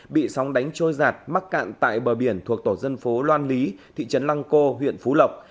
bị sóng đánh trôi giạt mắc cạn tại bờ biển thuộc tổ dân phố loan lý thị trấn lăng cô huyện phú lộc